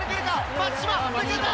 松島、抜けた。